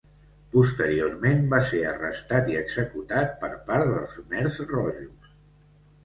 Posteriorment va ser arrestat i executat per part dels khmers rojos.